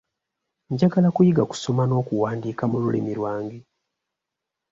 Njagala kuyiga kusoma n'okuwandiika mu lulimi lwange.